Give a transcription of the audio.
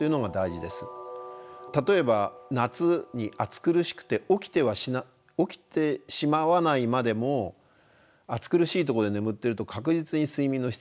例えば夏に暑苦しくて起きてしまわないまでも暑苦しいとこで眠ってると確実に睡眠の質は悪くなってしまいますね。